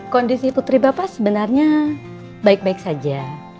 kondisi putri bapak sebenarnya baik baik saja